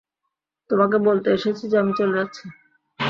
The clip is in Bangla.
তোমাকে বলতে এসেছি যে, আমি চলে যাচ্ছি।